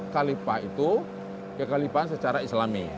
kalipah itu kekalipan secara islami